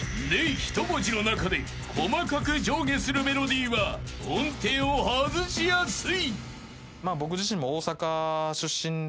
１文字の中で細かく上下するメロディーは音程を外しやすい］